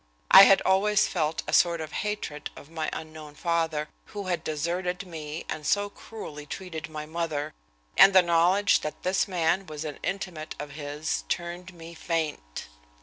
I had always felt a sort of hatred of my unknown father, who had deserted me and so cruelly treated my mother, and the knowledge that this man was an intimate of his turned me faint.